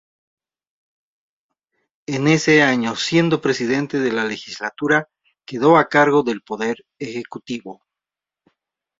En ese año, siendo Presidente de la Legislatura, quedó a cargo del poder ejecutivo.